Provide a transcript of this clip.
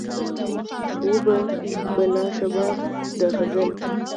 وو به به لا شباب د غزل